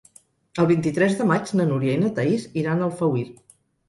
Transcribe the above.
El vint-i-tres de maig na Núria i na Thaís iran a Alfauir.